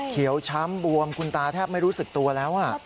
ช้ำบวมคุณตาแทบไม่รู้สึกตัวแล้ว